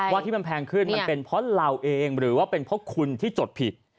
ที่มันแพงขึ้นมันเป็นเพราะเราเองหรือว่าเป็นเพราะคุณที่จดผิด